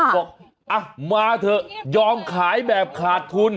บอกมาเถอะยอมขายแบบขาดทุน